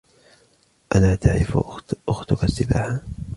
ألا تعرف أختك السباحة ؟